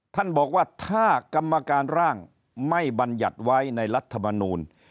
ท่านบอกว่าถ้ากรรมการร่างไม่บรรยัติไว้ในรัฐมนูล